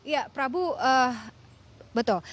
ya prabu betul